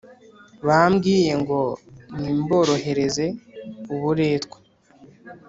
Bambwiye ngo nimborohereze uburetwa